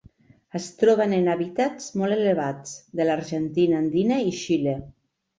Es troben en hàbitats molt elevats de l'Argentina andina i Xile.